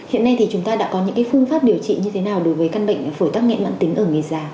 hiện nay thì chúng ta đã có những phương pháp điều trị như thế nào đối với căn bệnh phổi tắc nghẹn mãn tính ở người già